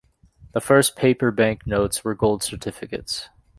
The first paper bank notes were gold certificates.